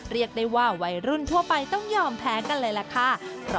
เรียกได้ว่าวัยรุ่นทั่วไปต้องยอมแพ้กันเลยล่ะค่ะ